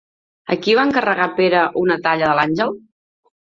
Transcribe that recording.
A qui va encarregar Pere una talla de l'àngel?